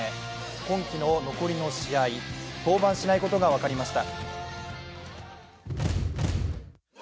今季の残りの試合、登板しないことが分かりました。